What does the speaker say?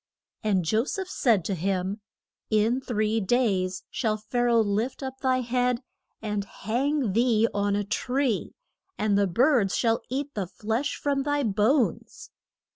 And Jo seph said to him, In three days shall Pha ra oh lift up thy head and hang thee on a tree; and the birds shall eat the flesh from thy bones.